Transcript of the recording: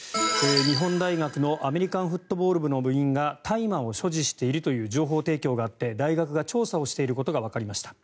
日本大学のアメリカンフットボール部の部員が大麻を所持しているという情報提供があって大学が調査をしていることがわかりました。